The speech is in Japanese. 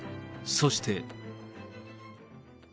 そして。